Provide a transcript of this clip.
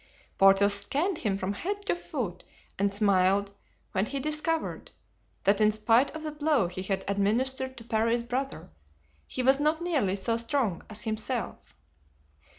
Porthos scanned him from head to foot and smiled when he discovered that in spite of the blow he had administered to Parry's brother, he was not nearly so strong as himself.